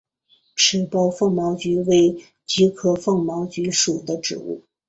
齿苞风毛菊为菊科风毛菊属的植物。